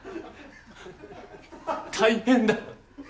大変だ。